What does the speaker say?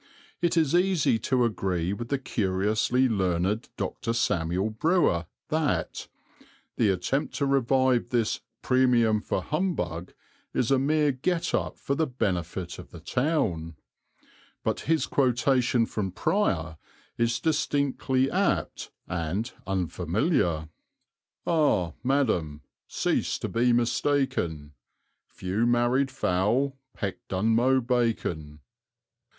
It is easy to agree with the curiously learned Dr. Samuel Brewer that "the attempt to revive this 'premium for humbug' is a mere get up for the benefit of the town"; but his quotation from Prior is distinctly apt and unfamiliar: Ah, madam! cease to be mistaken; Few married fowl peck Dunmow bacon.